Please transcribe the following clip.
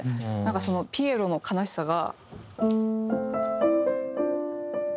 そのピエロの悲しさが。